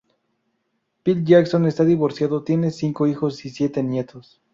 Phil Jackson está divorciado, tiene cinco hijos y siete nietos.